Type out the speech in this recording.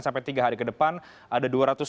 sampai tiga hari ke depan ada dua ratus dua puluh